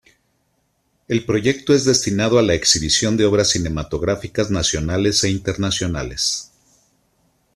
El proyecto es destinado a la exhibición de obras cinematográficas nacionales e internacionales.